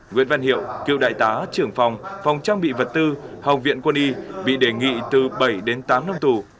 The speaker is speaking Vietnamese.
nguyễn văn hiệu cựu đại tá trưởng phòng phòng trang bị vật tư học viện quân y bị đề nghị từ bảy đến tám năm tù